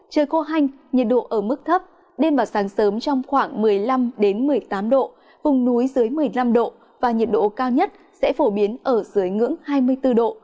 trời khô hanh nhiệt độ ở mức thấp đêm vào sáng sớm trong khoảng một mươi năm một mươi tám độ vùng núi dưới một mươi năm độ và nhiệt độ cao nhất sẽ phổ biến ở dưới ngưỡng hai mươi bốn độ